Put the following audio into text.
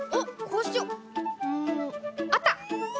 うんあった！